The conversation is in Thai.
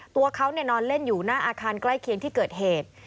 ตัวเขานอนเล่นอยู่หน้าอาคารใกล้เคียงที่เกิดเหตุ